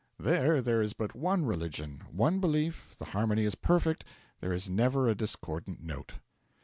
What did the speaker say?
There there is but one religion, one belief, the harmony is perfect, there is never a discordant note.